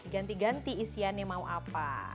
ganti ganti isiannya mau apa